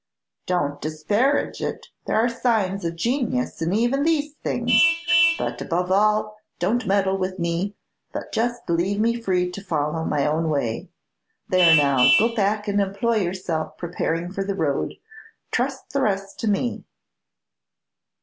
"Don't disparage it; there are signs of genius even in these things; but, above all, don't meddle with me, but just leave me free to follow my own way. There now, go back and employ yourself preparing for the road; trust the rest to me."